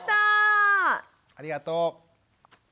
ありがとう。